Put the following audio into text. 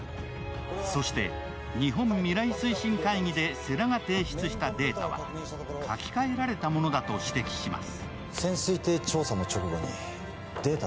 そして日本未来推進会議で世良が提出したデータは書き換えられたものだと指摘します。